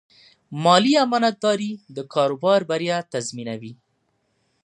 مالي امانتداري د کاروبار بریا تضمینوي.